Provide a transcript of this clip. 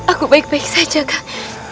aku baik baik saja kak